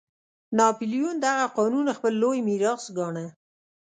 ناپلیون دغه قانون خپل لوی میراث ګاڼه.